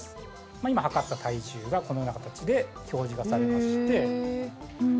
今、測った体重がこのような形で表示がされまして。